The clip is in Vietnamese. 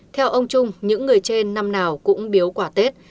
theo ông trung những người trên năm nào cũng biếu quả tết